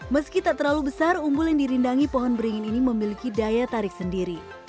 meski tak terlalu besar umbul yang dirindangi pohon beringin ini memiliki daya tarik sendiri